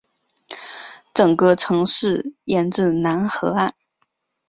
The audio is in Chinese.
整个城市沿着楠河岸。